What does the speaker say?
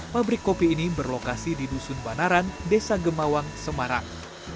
pabrik kopi ini berlokasi di dusun banaran desa gemawang semarang